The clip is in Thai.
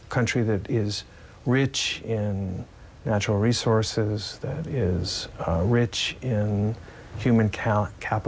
ซึ่งเราคิดว่าภัยไทยเป็นจุดที่สำคัญ